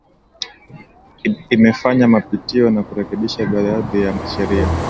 Imefanya mapitio na kurekebisha baadhii ya Sheria